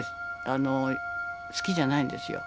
あの好きじゃないんですよ。